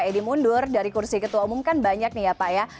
pak edi mundur dari kursi ketua umum kan banyak nih ya pak ya